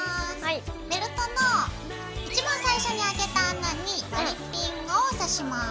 ベルトの一番最初にあけた穴に割りピンをさします。